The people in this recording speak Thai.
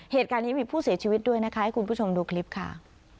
เหตุการณ์นี้มีผู้เสียชีวิตด้วยนะคะให้คุณผู้ชมดูคลิปค่ะ